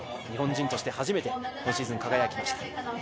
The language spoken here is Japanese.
日本人として初め今シーズン輝きました。